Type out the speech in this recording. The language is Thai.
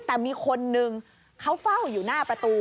แต่มีคนนึงเขาเฝ้าอยู่หน้าประตู